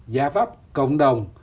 giải pháp cộng đồng